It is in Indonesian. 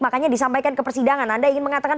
makanya disampaikan ke persidangan anda ingin mengatakan